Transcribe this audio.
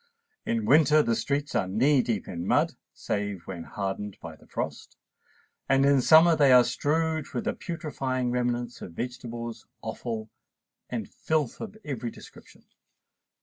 In winter the streets are knee deep in mud, save when hardened by the frost; and in summer they are strewed with the putrefying remnants of vegetables, offal, and filth of every description.